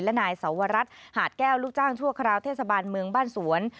และนายสวรัฐหาดแก้วลูกจ้างชั่วคราวเทศบาลเมืองบ้านสวน